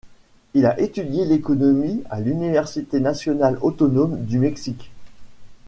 Il a étudié l'Économie à Université nationale autonome du Mexique.